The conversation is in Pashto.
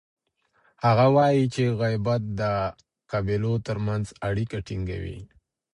هغه وایي چي عصبيت د قبیلو ترمنځ اړیکه ټینګوي.